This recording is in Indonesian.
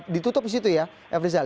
ditutup situ ya efri zal